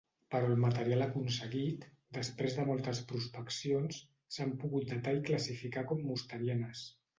Però el material aconseguit, després de moltes prospeccions, s'han pogut datar i classificar com mosterianes.